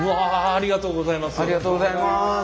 ありがとうございます。